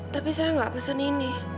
tapi saya gak pesan ini